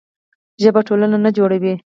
ژبه ټولنه نه جوړوي.